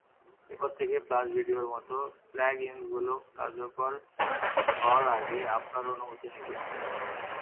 এরপর থেকে ফ্লাশ ভিডিওর মতো প্লাগ-ইনসগুলো কার্যকর হওয়ার আগে আপনার অনুমতি নেবে।